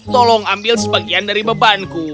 tolong ambil sebagian dari bebanku